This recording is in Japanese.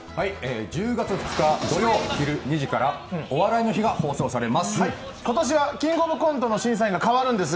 １０月２日土曜昼２時から「お笑いの日」が放送されます。